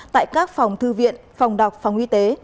tại các phòng thư viện phòng đọc phòng y tế